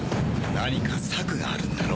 何か策があるんだろ？